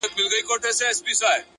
د زحمت خوله د بریا بوی لري